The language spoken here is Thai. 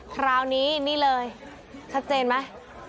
คราวนี้นี่เลยชัดเจนไหม